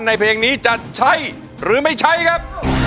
เพลงนี้จะใช้หรือไม่ใช้ครับ